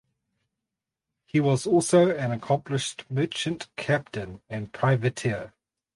He was also an accomplished merchant captain and privateer.